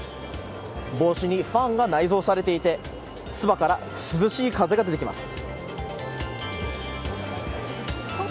帽子にファンが内蔵されていてつばから涼しい風が出てきます。